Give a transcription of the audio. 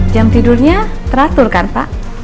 jam tidurnya teratur kan pak